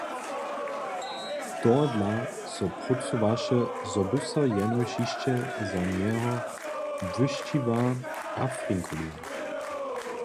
Tohodla so prócowaše, zo by so jenož hišće za njeho błyšćiła a frinkoliła.